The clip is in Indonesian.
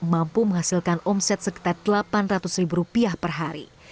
mampu menghasilkan omset sekitar delapan ratus ribu rupiah per hari